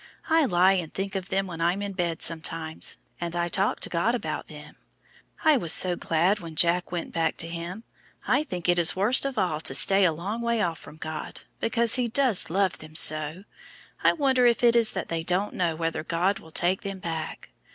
I lie and think of them when I'm in bed sometimes, and I talk to God about them. I was so glad when Jack went back to Him. I think it is worst of all to stay a long way off from God, because He does love them so. I wonder if it is that they don't know whether God will take them back.